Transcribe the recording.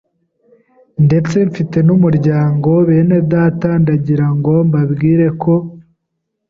ndetse mfite n’umuryango, benedata ndagirango mbabwire ko